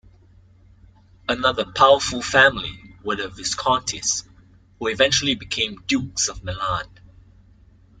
Another powerful family were the Viscontis, who eventually became Dukes of Milan.